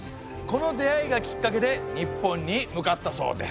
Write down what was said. この出会いがきっかけで日本に向かったそうです。